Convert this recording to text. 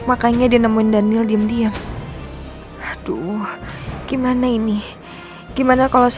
apa ada sesuatu yang gak bisa aku jelasin